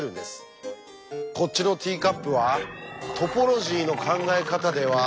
こっちのティーカップはトポロジーの考え方では。